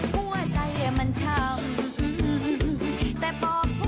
ขอบคุณครับ